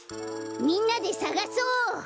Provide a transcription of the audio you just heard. みんなでさがそう！